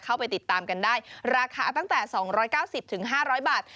เข้าไปติดตามกันได้ราคาตั้งแต่๒๙๐๕๐๐บาท